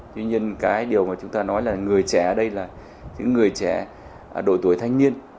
tuy nhiên cái điều mà chúng ta nói là người trẻ ở đây là những người trẻ độ tuổi thanh niên